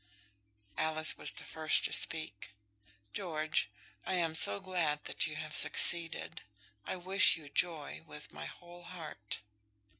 Alice was the first to speak. "George, I am so glad that you have succeeded! I wish you joy with my whole heart."